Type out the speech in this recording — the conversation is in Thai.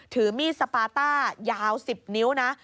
ถือมีดสปาต้ายาว๑๐นิ้วนะ